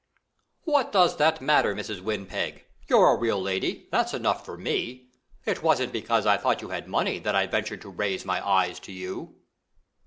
"What does that matter, Mrs. Windpeg? You're a real lady, that's enough for me. It wasn't because I thought you had money that I ventured to raise my eyes to you."